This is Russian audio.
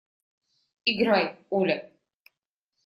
Играй, Оля!